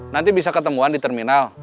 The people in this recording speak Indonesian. nanti bisa ketemuan di terminal